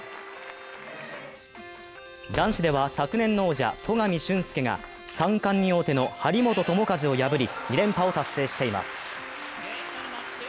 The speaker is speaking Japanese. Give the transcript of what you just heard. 男子では昨年の王者・戸上隼輔が３冠に王手の張本智和を破り２連覇を達成しています。